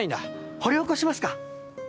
掘り起こしますか？